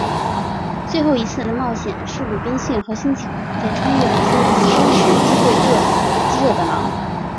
最后一次的冒险是鲁滨逊和星期五在穿越比利牛斯山时击退饥饿的狼。